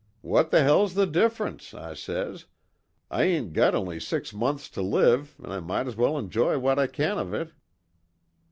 "'What the hell's the difference?' I says, 'I ain't got only six months to live an' I might's well enjoy what I can of it.'